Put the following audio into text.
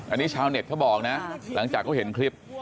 อันนี้ชาวเน็ตเขาบอกนะหลังจากเขาเห็นคลิป